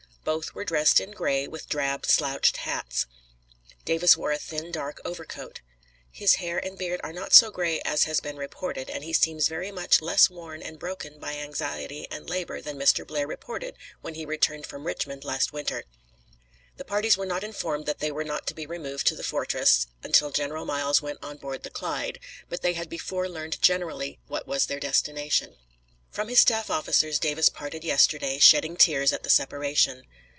Both were dressed in gray, with drab slouched hats. Davis wore a thin dark overcoat. His hair and beard are not so gray as has been reported, and he seems very much less worn and broken by anxiety and labor than Mr. Blair reported when he returned from Richmond last winter. The parties were not informed that they were not to be removed to the fortress until General Miles went on board the Clyde, but they had before learned generally what was their destination. From his staff officers Davis parted yesterday, shedding tears at the separation.